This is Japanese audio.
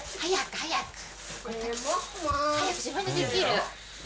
早く、自分でできる。